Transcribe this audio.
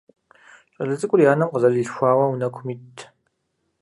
ЩӀалэ цӀыкӀур и анэм къызэрилъхуауэ унэкум итт.